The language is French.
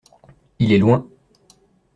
Il est loin.